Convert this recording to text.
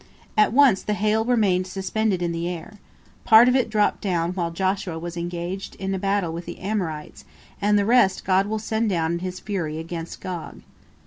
At once the hail remained suspended in the air. Part of it dropped down while Joshua was engaged in battle with the Amorites, and the rest God will send down in His fury against Gog.